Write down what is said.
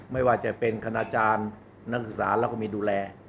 ไม่ว่าจะเป็นคณาจารย์นักศึกษาเราก็มีดูแล